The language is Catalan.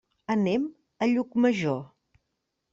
Anem a Llucmajor.